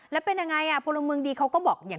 แล้วเป็นยังไงพลเมืองดีเขาก็บอกอย่าง